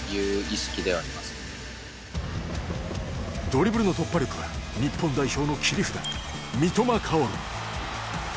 ドリブルの突破力は日本代表の切り札